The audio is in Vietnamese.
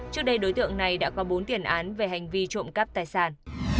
trước đây đối tượng này đã có bốn tiền án về hành vi trộm cắp tài sản